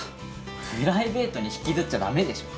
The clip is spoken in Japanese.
プライベートに引きずっちゃ駄目でしょ。